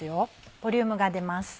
ボリュームが出ます。